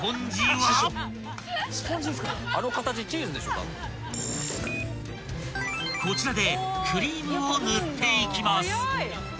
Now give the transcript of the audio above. ［こちらでクリームを塗っていきます］